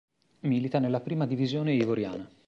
Milita nella Prima Divisione ivoriana.